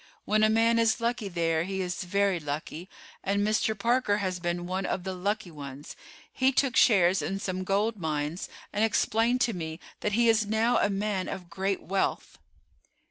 When a man is lucky there he is very lucky; and Mr. Parker has been one of the lucky ones. He took shares in some gold mines, and explained to me that he is now a man of great wealth."